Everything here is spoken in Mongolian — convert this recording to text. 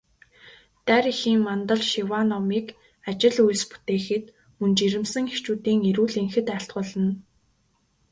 Дарь эхийн мандал шиваа номыг ажил үйлс бүтээхэд, мөн жирэмсэн эхчүүдийн эрүүл энхэд айлтгуулна.